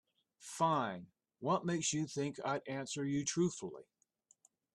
Fine, what makes you think I'd answer you truthfully?